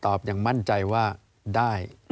อย่างมั่นใจว่าได้